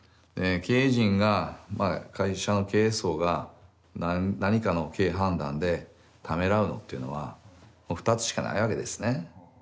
経営陣が会社の経営層が何かの経営判断でためらうのっていうのは２つしかないわけですね。